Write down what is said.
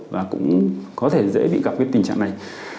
và cũng có thể dễ bị gặp hết tình trạng này